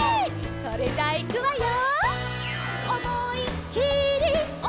それじゃいくわよ。